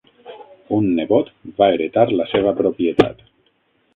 Un nebot va heretar la seva propietat.